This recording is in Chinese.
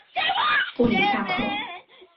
布里萨克。